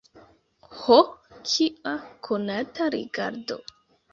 Ho, kia konata rigardo!